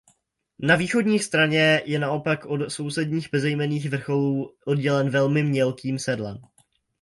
Na východní straně je naopak od sousedních bezejmenných vrcholů oddělen velmi mělkým sedlem.